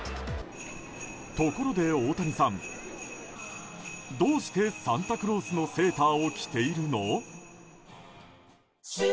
ところで大谷さんどうしてサンタクロースのセーターを着ているの？